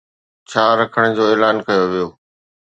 ڇا رکڻ جو اعلان ڪيو ويو؟